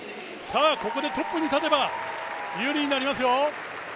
ここでトップに立てば有利になりますよ。